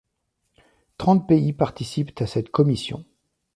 Trente pays participent à cette Commission.